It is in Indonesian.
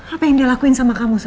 apa yang dia lakuin sama kamu